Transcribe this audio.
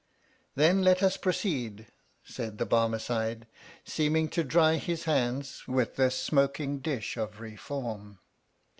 Then let us proceed, said the Barmecide, seeming to dry his hands, with this smoking dish of Keefawm.